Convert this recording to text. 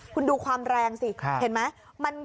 คุณดูความแรงสิเห็นไหม